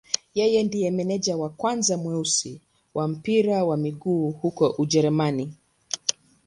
Yeye ndiye meneja wa kwanza mweusi wa mpira wa miguu huko Ujerumani.